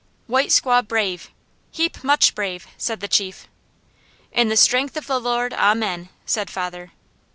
"'White squaw brave! Heap much brave!' said the chief. "'In the strength of the Lord. Amen!' said father.